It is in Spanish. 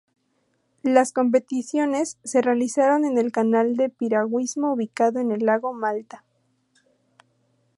Las competiciones se realizaron en el canal de piragüismo ubicado en el lago Malta.